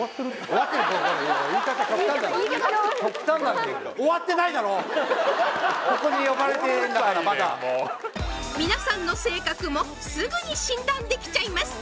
めちゃくちゃ当たってるここに呼ばれているんだからまだ皆さんの性格もすぐに診断できちゃいます